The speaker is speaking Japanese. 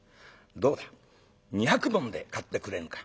どうだ２百文で買ってくれぬか？」。